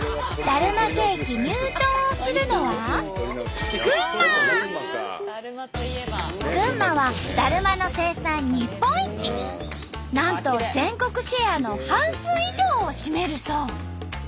だるまケーキ入刀をするのは群馬はなんと全国シェアの半数以上を占めるそう。